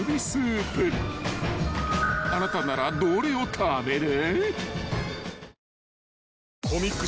［あなたならどれを食べる？］